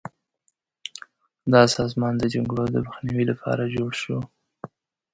دا سازمان د جګړو د مخنیوي لپاره جوړ شو.